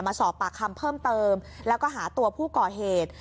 มาสอบปากคำเพิ่มเติมแล้วก็หาตัวผู้ก่อเหตุ